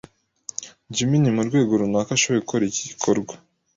Jimmy ni murwego runaka ashoboye gukora iki gikorwa.